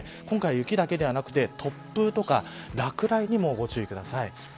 今回、雪だけではなくて突風とか落雷にもご注意ください。